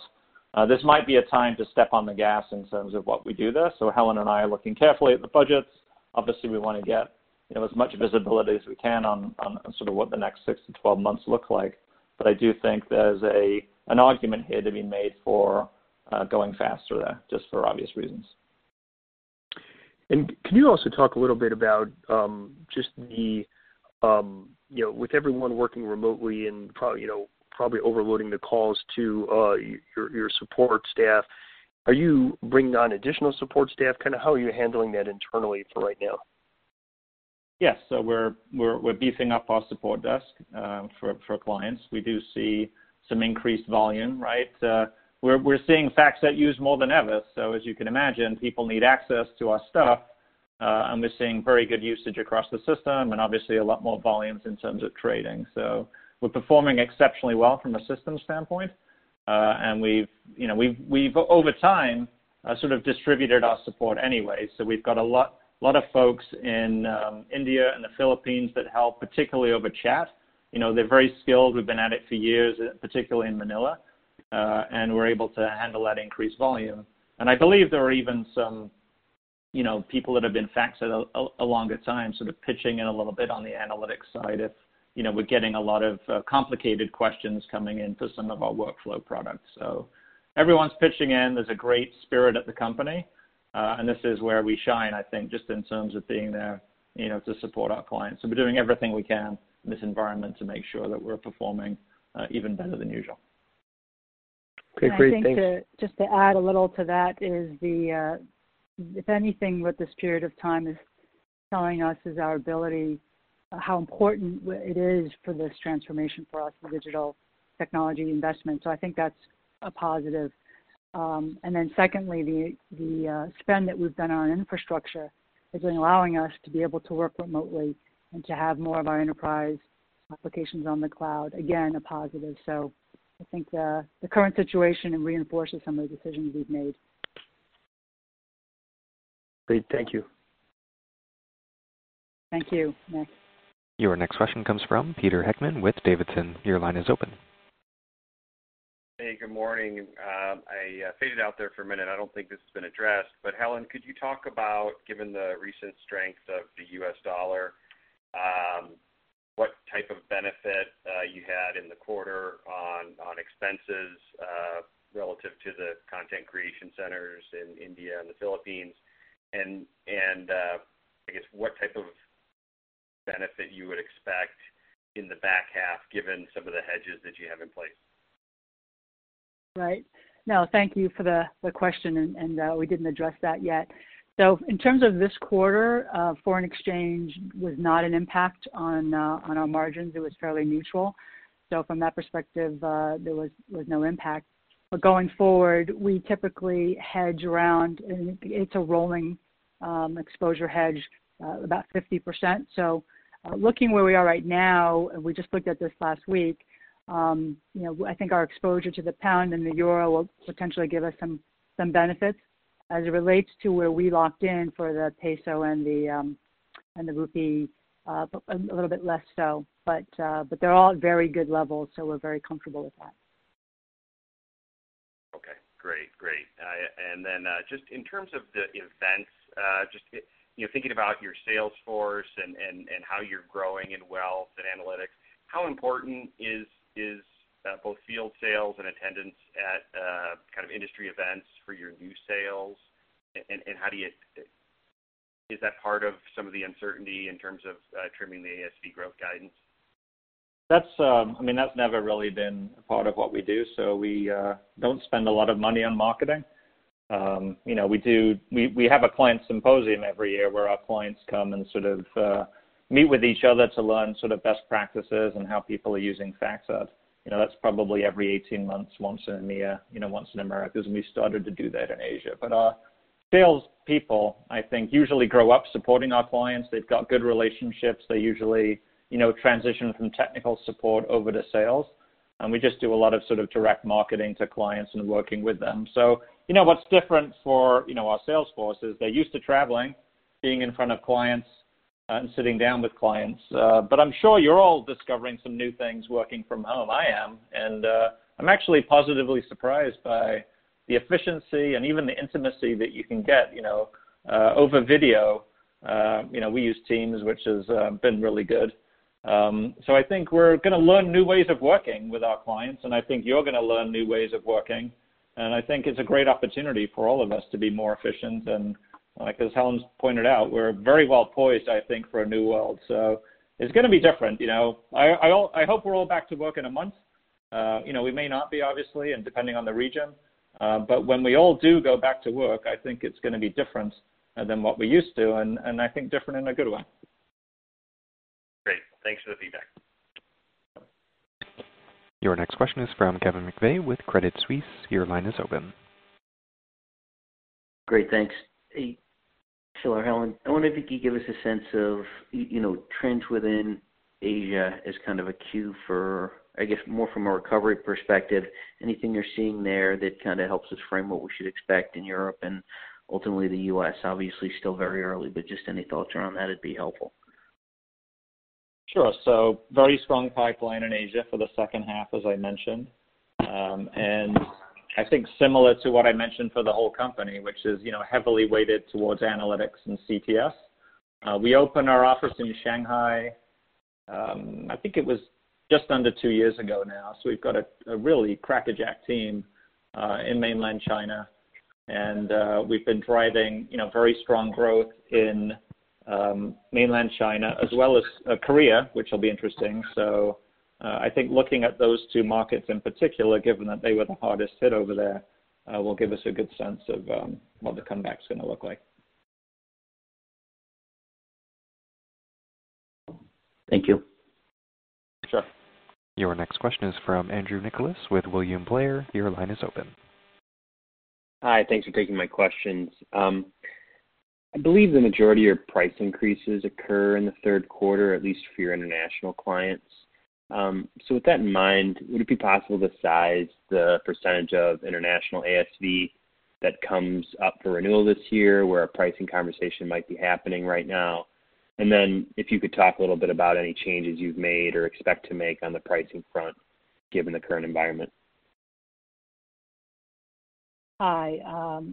this might be a time to step on the gas in terms of what we do there. Helen and I are looking carefully at the budgets. Obviously, we want to get as much visibility as we can on sort of what the next six to 12 months look like. I do think there's an argument here to be made for going faster there, just for obvious reasons. Can you also talk a little bit about with everyone working remotely and probably overloading the calls to your support staff, are you bringing on additional support staff? How are you handling that internally for right now? Yes. We're beefing up our support desk for clients. We do see some increased volume, right? We're seeing FactSet used more than ever. As you can imagine, people need access to our stuff, and we're seeing very good usage across the system and obviously a lot more volumes in terms of trading. We're performing exceptionally well from a systems standpoint. We've, over time, sort of distributed our support anyway. We've got a lot of folks in India and the Philippines that help, particularly over chat. They're very skilled. We've been at it for years, particularly in Manila, and we're able to handle that increased volume. I believe there are even some people that have been FactSet a longer time sort of pitching in a little bit on the analytics side if we're getting a lot of complicated questions coming in for some of our workflow products. Everyone's pitching in. There's a great spirit at the company. This is where we shine, I think, just in terms of being there to support our clients. We're doing everything we can in this environment to make sure that we're performing even better than usual. Great. Thanks. I think just to add a little to that is if anything, what this period of time is telling us is our ability, how important it is for this transformation for us, the digital technology investment. I think that's a positive. Secondly, the spend that we've done on infrastructure has been allowing us to be able to work remotely and to have more of our enterprise applications on the cloud, again, a positive. I think the current situation, it reinforces some of the decisions we've made. Great. Thank you. Thank you, Slomo. Your next question comes from Peter Heckmann with Davidson. Your line is open. Hey, good morning. I faded out there for a minute. I don't think this has been addressed, but Helen, could you talk about, given the recent strength of the U.S. dollar, what type of benefit you had in the quarter on expenses relative to the content creation centers in India and the Philippines, and I guess what type of benefit you would expect in the back half given some of the hedges that you have in place? Right. No, thank you for the question, and we didn't address that yet. In terms of this quarter, foreign exchange was not an impact on our margins. It was fairly neutral. From that perspective, there was no impact. Going forward, we typically hedge around, it's a rolling exposure hedge, about 50%. Looking where we are right now, and we just looked at this last week, I think our exposure to the pound and the euro will potentially give us some benefits. As it relates to where we locked in for the peso and the rupee, a little bit less so. They're all at very good levels, so we're very comfortable with that. Okay, great. Just in terms of the events, just thinking about your sales force and how you're growing in wealth and analytics, how important is both field sales and attendance at kind of industry events for your new sales, and is that part of some of the uncertainty in terms of trimming the ASV growth guidance? That's never really been a part of what we do. We don't spend a lot of money on marketing. We have a client symposium every year where our clients come and sort of meet with each other to learn sort of best practices and how people are using FactSet. That's probably every 18 months, once in EMEA, once in Americas, and we started to do that in Asia. Our salespeople, I think, usually grow up supporting our clients. They've got good relationships. They usually transition from technical support over to sales. We just do a lot of sort of direct marketing to clients and working with them. What's different for our sales force is they're used to traveling, being in front of clients, and sitting down with clients. I'm sure you're all discovering some new things working from home. I am. I'm actually positively surprised by the efficiency and even the intimacy that you can get over video. We use Teams, which has been really good. I think we're going to learn new ways of working with our clients, and I think you're going to learn new ways of working, and I think it's a great opportunity for all of us to be more efficient. As Helen's pointed out, we're very well poised, I think, for a new world. It's going to be different. I hope we're all back to work in a month. We may not be, obviously, and depending on the region. When we all do go back to work, I think it's going to be different than what we're used to, and I think different in a good way. Great. Thanks for the feedback. Your next question is from Kevin McVeigh with Credit Suisse. Your line is open. Great. Thanks. Hey, Philip, Helen. I wonder if you could give us a sense of trends within Asia as kind of a cue for, I guess, more from a recovery perspective, anything you're seeing there that kind of helps us frame what we should expect in Europe and ultimately the U.S. Obviously, still very early, but just any thoughts around that would be helpful. Sure. Very strong pipeline in Asia for the second half, as I mentioned. I think similar to what I mentioned for the whole company, which is heavily weighted towards analytics and CTS. We opened our office in Shanghai, I think it was just under two years ago now. We've got a really crackerjack team in mainland China, and we've been driving very strong growth in mainland China as well as Korea, which will be interesting. I think looking at those two markets in particular, given that they were the hardest hit over there, will give us a good sense of what the comeback's going to look like. Thank you. Sure. Your next question is from Andrew Nicholas with William Blair. Your line is open. Hi. Thanks for taking my questions. I believe the majority of price increases occur in the third quarter, at least for your international clients. With that in mind, would it be possible to size the percentage of international ASV that comes up for renewal this year, where a pricing conversation might be happening right now? Then, if you could talk a little bit about any changes you've made or expect to make on the pricing front, given the current environment. Hi.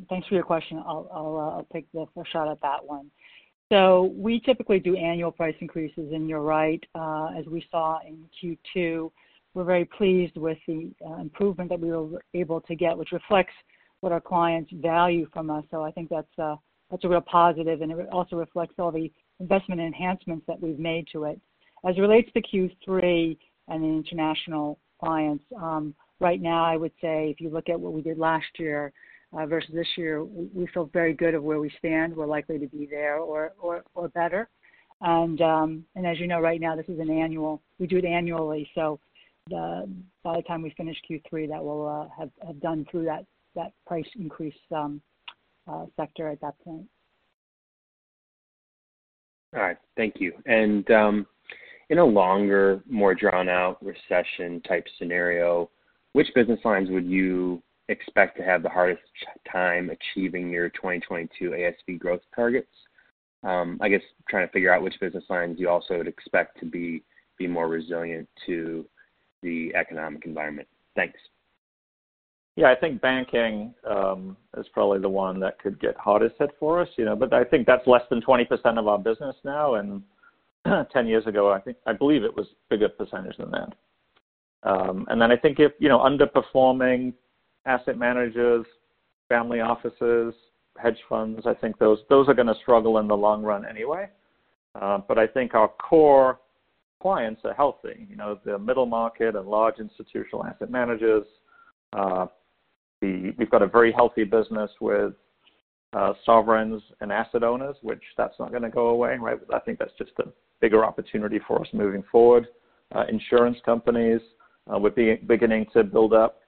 Thanks for your question. I'll take a shot at that one. We typically do annual price increases, and you're right. As we saw in Q2, we're very pleased with the improvement that we were able to get, which reflects what our clients value from us. I think that's a real positive, and it also reflects all the investment enhancements that we've made to it. As it relates to Q3 and the international clients, right now, I would say, if you look at what we did last year versus this year, we feel very good at where we stand. We're likely to be there or better. As you know, right now, We do it annually, so by the time we finish Q3, that will have done through that price increase sector at that point. All right. Thank you. In a longer, more drawn-out recession-type scenario, which business lines would you expect to have the hardest time achieving your 2022 ASV growth targets? I guess trying to figure out which business lines you also would expect to be more resilient to the economic environment. Thanks. I think banking is probably the one that could get hardest hit for us. I think that's less than 20% of our business now, and 10 years ago, I believe it was a bigger percentage than that. I think if underperforming asset managers, family offices, hedge funds, I think those are going to struggle in the long run anyway. I think our core clients are healthy. The middle market and large institutional asset managers. We've got a very healthy business with sovereigns and asset owners, which that's not going to go away, right? I think that's just a bigger opportunity for us moving forward. Insurance companies, we're beginning to build up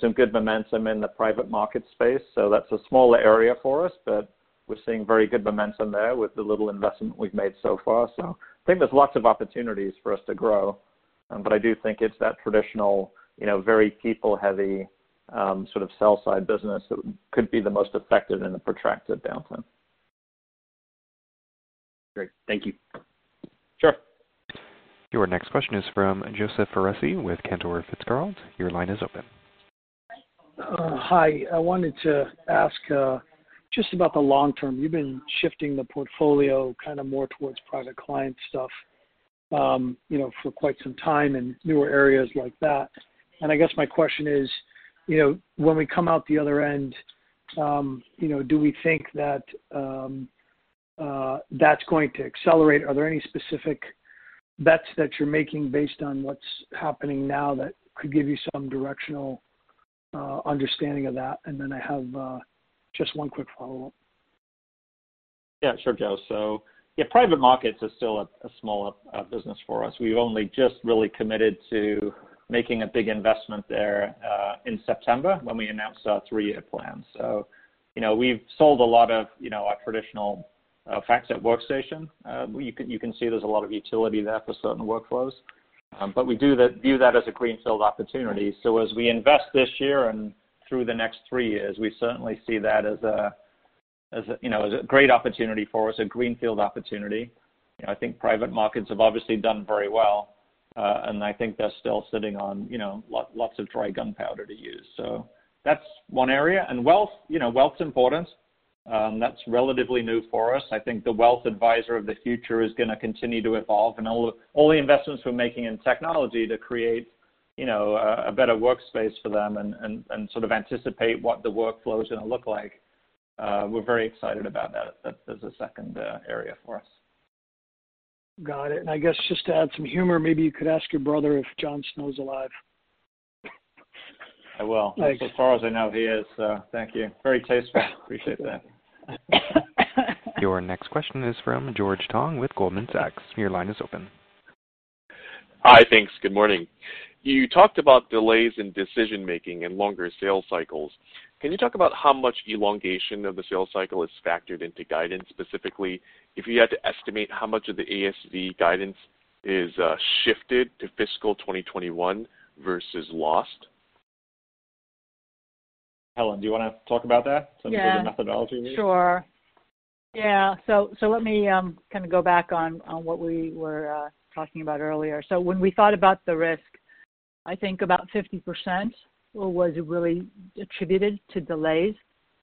some good momentum in the private market space. That's a smaller area for us, but we're seeing very good momentum there with the little investment we've made so far. I think there's lots of opportunities for us to grow, but I do think it's that traditional, very people-heavy, sort of sell-side business that could be the most affected in a protracted downturn. Great. Thank you. Sure. Your next question is from Joseph Foresi with Cantor Fitzgerald. Your line is open. Hi. I wanted to ask just about the long term. You've been shifting the portfolio kind of more towards private client stuff for quite some time and newer areas like that. I guess my question is, when we come out the other end, do we think that that's going to accelerate? Are there any specific bets that you're making based on what's happening now that could give you some directional understanding of that? Then I have just one quick follow-up. Yeah, sure, Joseph. Yeah, private markets is still a small business for us. We've only just really committed to making a big investment there in September when we announced our three-year plan. We've sold a lot of our traditional FactSet workstation. You can see there's a lot of utility there for certain workflows. We do view that as a greenfield opportunity. As we invest this year and through the next three years, we certainly see that as a great opportunity for us, a greenfield opportunity. I think private markets have obviously done very well, and I think they're still sitting on lots of dry gunpowder to use. That's one area. Wealth's important. That's relatively new for us. I think the wealth advisor of the future is going to continue to evolve, and all the investments we're making in technology to create a better workspace for them and sort of anticipate what the workflow is going to look like, we're very excited about that as a second area for us. Got it. I guess just to add some humor, maybe you could ask your brother if Jon Snow's alive? I will. Thanks. As far as I know, he is. Thank you. Very tasteful. Appreciate that. Your next question is from George Tong with Goldman Sachs. Your line is open. Hi, thanks. Good morning. You talked about delays in decision-making and longer sales cycles. Can you talk about how much elongation of the sales cycle is factored into guidance? Specifically, if you had to estimate how much of the ASV guidance is shifted to fiscal 2021 versus lost? Helen, do you want to talk about that? Yeah. Some of the methodology we use. Sure. Yeah. Let me go back on what we were talking about earlier. When we thought about the risk, I think about 50% was really attributed to delays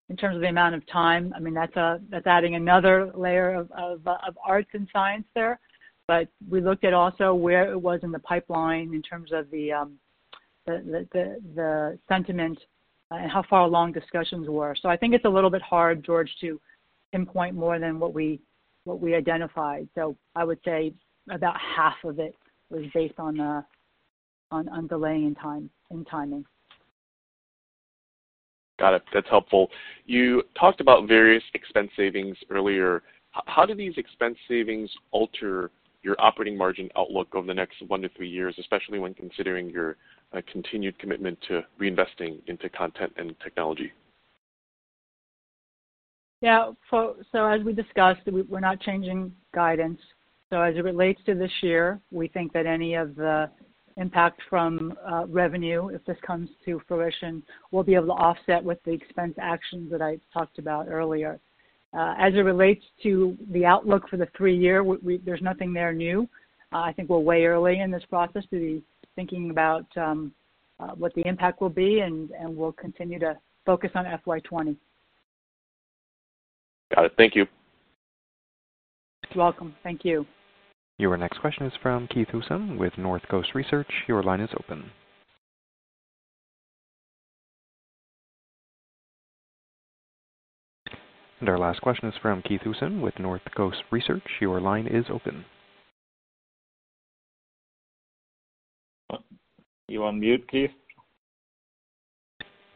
in terms of the amount of time. That's adding another layer of arts and science there. We looked at also where it was in the pipeline in terms of the sentiment, and how far along discussions were. I think it's a little bit hard, George, to pinpoint more than what we identified. I would say about half of it was based on delaying in timing. Got it. That's helpful. You talked about various expense savings earlier. How do these expense savings alter your operating margin outlook over the next one to three years, especially when considering your continued commitment to reinvesting into content and technology? As we discussed, we're not changing guidance. As it relates to this year, we think that any of the impact from revenue, if this comes to fruition, we'll be able to offset with the expense actions that I talked about earlier. As it relates to the outlook for the three year, there's nothing there new. I think we're way early in this process to be thinking about what the impact will be, and we'll continue to focus on FY 2020. Got it. Thank you. You're welcome. Thank you. Your next question is from Keith Housum with Northcoast Research. Your line is open. Our last question is from Keith Housum with Northcoast Research. Your line is open. You on mute, Keith?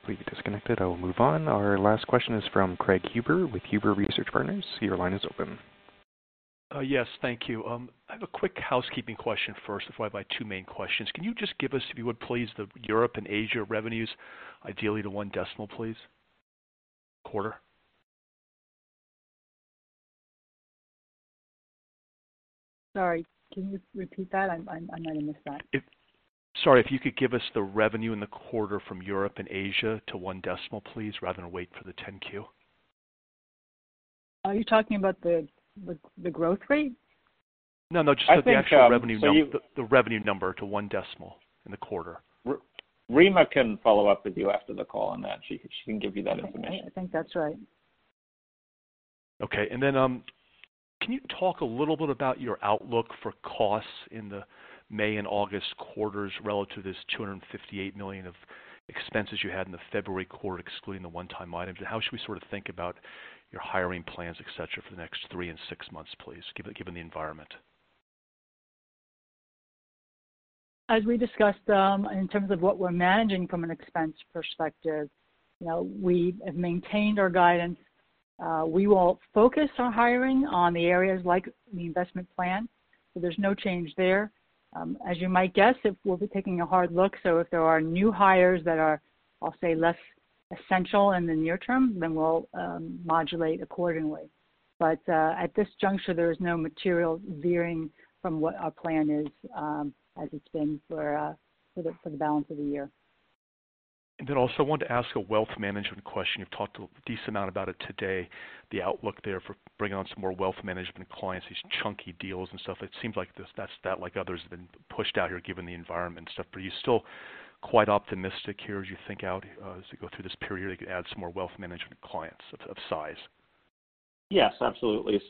We've disconnected. I will move on. Our last question is from Craig Huber with Huber Research Partners. Your line is open. Yes, thank you. I have a quick housekeeping question first, followed by two main questions. Can you just give us, if you would, please, the Europe and Asia revenues, ideally to one decimal, please? Quarter. Sorry, can you repeat that? I might have missed that. Sorry. If you could give us the revenue in the quarter from Europe and Asia to one decimal, please, rather than wait for the 10-Q. Are you talking about the growth rate? No, just the actual- I think- Revenue number to one decimal in the quarter. Rima can follow up with you after the call on that. She can give you that information. Okay. I think that's right. Okay. Can you talk a little bit about your outlook for costs in the May and August quarters relative to this $258 million of expenses you had in the February quarter, excluding the one-time items? How should we think about your hiring plans, et cetera, for the next three and six months, please, given the environment? As we discussed, in terms of what we're managing from an expense perspective, we have maintained our guidance. We will focus our hiring on the areas like the investment plan. There's no change there. As you might guess, we'll be taking a hard look, so if there are new hires that are, I'll say, less essential in the near term, then we'll modulate accordingly. At this juncture, there is no material veering from what our plan is, as it's been for the balance of the year. Also wanted to ask a wealth management question. You've talked a decent amount about it today, the outlook there for bringing on some more wealth management clients, these chunky deals and stuff. It seems like that, like others, have been pushed out here given the environment and stuff. Are you still quite optimistic here as you think out, as you go through this period, you could add some more wealth management clients of size? Yes, absolutely.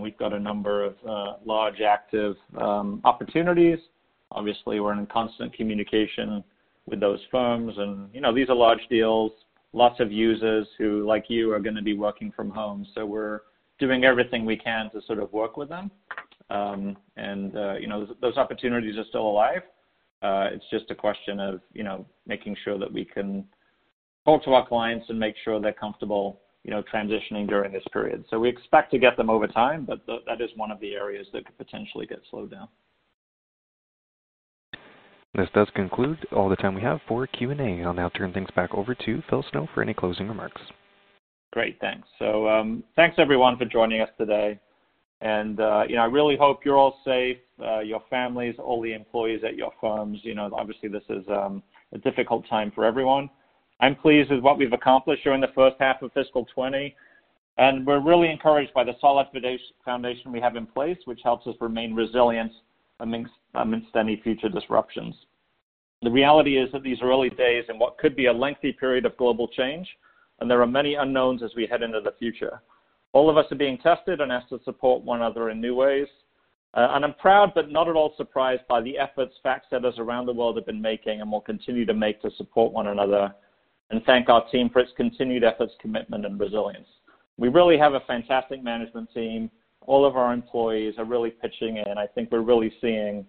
We've got a number of large active opportunities. Obviously, we're in constant communication with those firms, and these are large deals. Lots of users who, like you, are going to be working from home. We're doing everything we can to sort of work with them. Those opportunities are still alive. It's just a question of making sure that we can talk to our clients and make sure they're comfortable transitioning during this period. We expect to get them over time, but that is one of the areas that could potentially get slowed down. This does conclude all the time we have for Q and A. I'll now turn things back over to Philip Snow for any closing remarks. Thanks, everyone, for joining us today. I really hope you're all safe, your families, all the employees at your firms. Obviously, this is a difficult time for everyone. I'm pleased with what we've accomplished during the first half of fiscal 2020, and we're really encouraged by the solid foundation we have in place, which helps us remain resilient amidst any future disruptions. The reality is that these are early days in what could be a lengthy period of global change, and there are many unknowns as we head into the future. All of us are being tested and asked to support one another in new ways. I'm proud, but not at all surprised, by the efforts FactSetters around the world have been making and will continue to make to support one another, and thank our team for its continued efforts, commitment, and resilience. We really have a fantastic management team. All of our employees are really pitching in. I think we're really seeing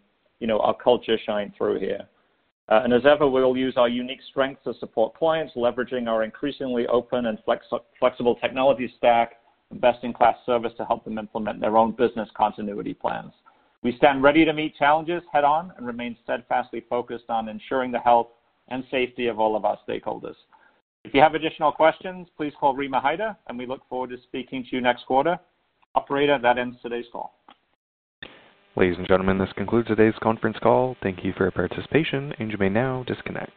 our culture shine through here. As ever, we'll use our unique strengths to support clients, leveraging our increasingly open and flexible technology stack, and best-in-class service to help them implement their own business continuity plans. We stand ready to meet challenges head on and remain steadfastly focused on ensuring the health and safety of all of our stakeholders. If you have additional questions, please call Rima Hyder, and we look forward to speaking to you next quarter. Operator, that ends today's call. Ladies and gentlemen, this concludes today's conference call. Thank you for your participation, and you may now disconnect.